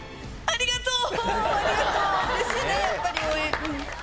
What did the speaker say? ありがとう！